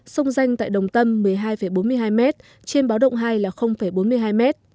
sông danh tại đồng tâm một mươi hai bốn mươi hai m trên báo động hai là bốn mươi hai m